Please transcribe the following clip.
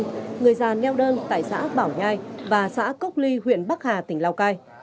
tại tỉnh lào cai người già nheo đơn tại xã bảo nhai và xã cốc ly huyện bắc hà tỉnh lào cai